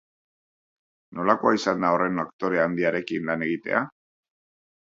Nolakoa izan da horren aktore handiarekin lan egitea?